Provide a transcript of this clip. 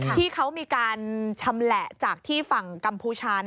ที่เขามีการชำแหละจากที่ฝั่งกัมพูชา